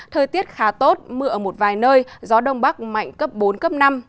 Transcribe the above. thời tiết khá tốt mưa ở một vài nơi gió đông bắc mạnh cấp bốn cấp năm